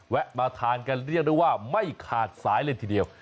มาทานกันเรียกได้ว่าไม่ขาดสายเลยทีเดียว